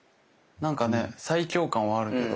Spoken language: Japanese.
なんかね最強感はあるけど。